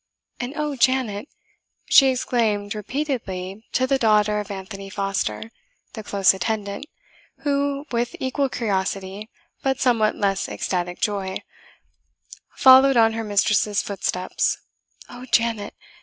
And oh, Janet!" she exclaimed repeatedly to the daughter of Anthony Foster, the close attendant, who, with equal curiosity, but somewhat less ecstatic joy, followed on her mistress's footsteps "oh, Janet!